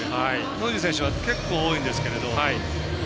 ノイジー選手は結構、多いんですけれど。